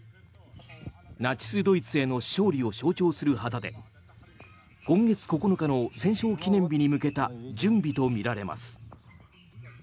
ナチス・ドイツへの勝利を象徴する旗で今月９日の戦勝記念日に向けた準備とみられます。